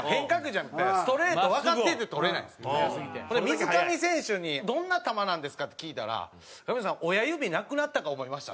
水上選手に「どんな球なんですか」って聞いたら「かみじょうさん親指なくなったか思いました」。